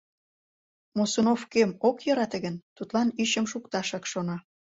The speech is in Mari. Мосунов кӧм ок йӧрате гын, тудлан ӱчым шукташак шона.